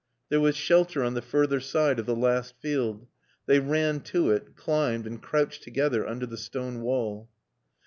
There was shelter on the further side of the last field. They ran to it, climbed, and crouched together under the stone wall.